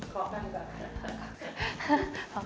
ขอขอบคุณค่ะ